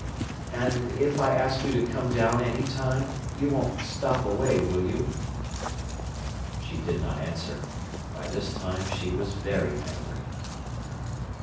"And if I ask you to come down any time, you won't stop away, will you?" She did not answer. By this time she was very angry.